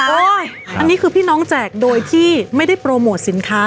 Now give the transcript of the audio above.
อันนี้คือพี่น้องแจกโดยที่ไม่ได้โปรโมทสินค้า